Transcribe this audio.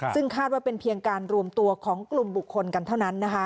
ซึ่งคาดว่าเป็นเพียงการรวมตัวของกลุ่มบุคคลกันเท่านั้น